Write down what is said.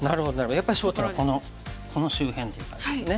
やっぱり焦点はこのこの周辺という感じですね。